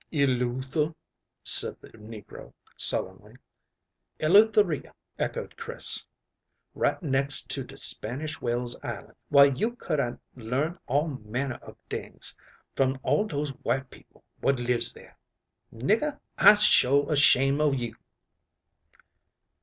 "Eluther," said the negro sullenly. "Elutheria," echoed Chris, "right next to de Spanish Wells Island, whar you could hab learned all manner ob things from all dose white people what lives there. Nigger, I'se sho' ashamed ob you."